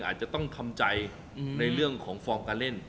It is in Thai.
อาจจะต้องทำใจในเรื่องของฟอร์มการเล่น